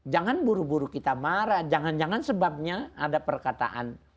jangan buru buru kita marah jangan jangan sebabnya ada perkataan